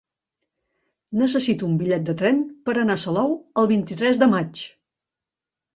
Necessito un bitllet de tren per anar a Salou el vint-i-tres de maig.